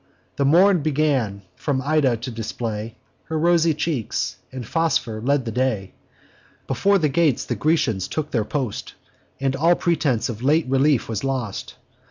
The Morn began, from Ida, to display Her rosy cheeks; and Phosphor led the day: Before the gates the Grecians took their post, And all pretence of late relief was lost.